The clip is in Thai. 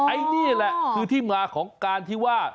อันนี้แหละคือที่มาของการที่ว่า